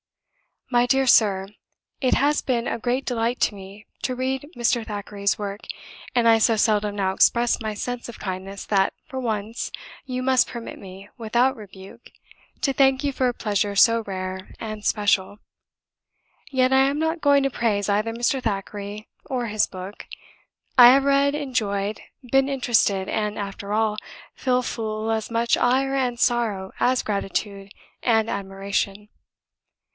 "My dear Sir, It has been a great delight to me to read Mr. Thackeray's work; and I so seldom now express my sense of kindness that, for once, you must permit me, without rebuke, to thank you for a pleasure so rare and special. Yet I am not going to praise either Mr. Thackeray or his book. I have read, enjoyed, been interested, and, after all, feel full as much ire and sorrow as gratitude and admiration.